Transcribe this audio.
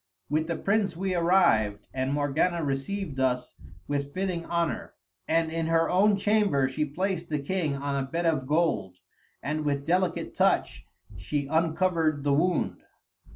"'With the prince we arrived, and Morgana received us with fitting honour. And in her own chamber she placed the king on a bed of gold, and with delicate touch, she uncovered the wound.